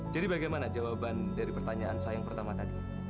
jadi bagaimana jawaban dari pertanyaan saya yang pertama tadi